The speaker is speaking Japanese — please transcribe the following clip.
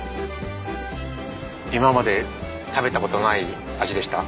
今まで食べた事ない味でした？